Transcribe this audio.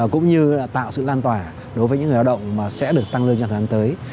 cũng như là tạo sự lan tỏa đối với những người lao động mà sẽ được tăng lương cho tháng tới